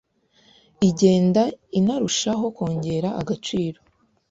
igenda inarushaho kongera agaciro,